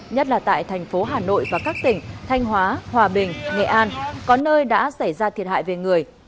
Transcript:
nhất là tại thành phố hà nội và các tỉnh thanh hóa hòa bình nghệ an có nơi đã xảy ra thiệt hại về người